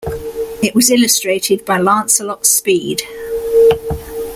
It was illustrated by Lancelot Speed.